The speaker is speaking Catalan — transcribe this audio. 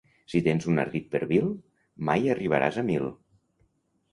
Si tens un ardit per vil, mai arribaràs a mil.